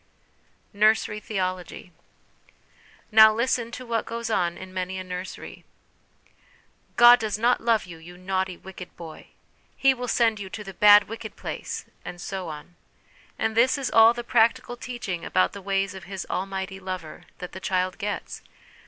Nursery Theology. Now listen to what goes on in many a nursery :' God does not love you, you naughty, wicked boy !' 'He will send you to the bad, wicked place/ and so on ; and this is all the practical teaching about the ways of his ' almighty Lover' that the child gets!